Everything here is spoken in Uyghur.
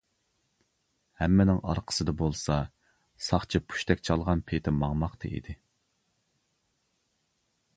ھەممىنىڭ ئارقىسىدا بولسا ساقچى پۇشتەك چالغان پېتى ماڭماقتا ئىدى.